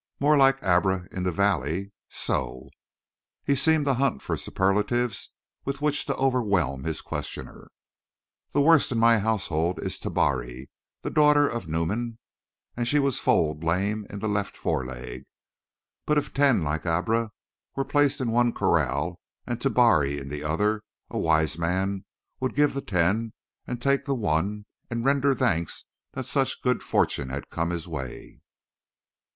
"More like Abra in the valley? So!" He seemed to hunt for superlatives with which to overwhelm his questioner. "The worst in my household is Tabari, the daughter of Numan, and she was foaled lame in the left foreleg. But if ten like Abra were placed in one corral and Tabari in the other, a wise man would give the ten and take the one and render thanks that such good fortune had come his way."